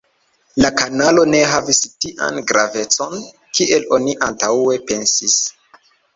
La kanalo ne havis tian gravecon, kiel oni antaŭe pensis.